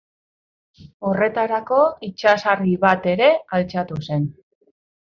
Horretarako itsas-argi bat ere altxatu zen.